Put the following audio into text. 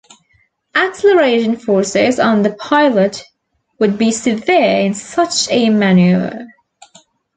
Acceleration forces on the pilot would be severe in such a maneuver.